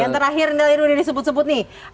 yang terakhir nelin udah disebut sebut nih